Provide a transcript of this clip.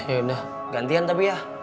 yaudah gantian tapi ya